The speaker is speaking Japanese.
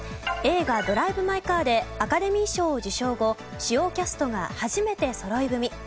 映画「ドライブ・マイ・カー」でアカデミー賞を受賞後主要キャストが初めてそろい踏み。